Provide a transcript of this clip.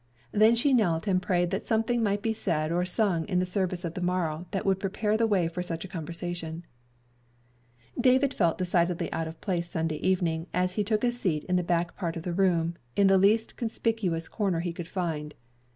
Then she knelt and prayed that something might be said or sung in the service of the morrow that would prepare the way for such a conversation. David felt decidedly out of place Sunday evening as he took a seat in the back part of the room, in the least conspicuous corner he could find.